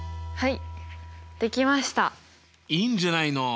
はい！